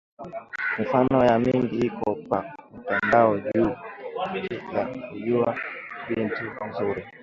Mifano ya mingi iko pa mutandao, njuu ya kuyuwa bintu muzuri